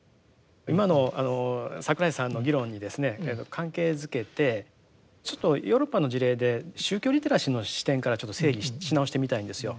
今の櫻井さんの議論にですね関係づけてちょっとヨーロッパの事例で宗教リテラシーの視点からちょっと整理し直してみたいんですよ。